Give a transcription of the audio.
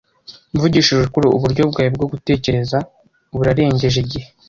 Mvugishije ukuri, uburyo bwawe bwo gutekereza burarengeje igihe.